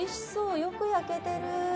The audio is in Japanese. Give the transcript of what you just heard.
よく焼けてる。